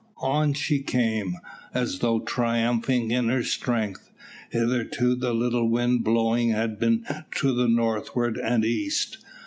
On she came, as though triumphing in her strength. Hitherto the little wind blowing had been to the northward and east.